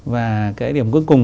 và cái điểm cuối cùng